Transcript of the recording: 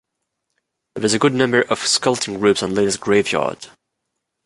There is a good number of sculpting groups on Lleida’s graveyard.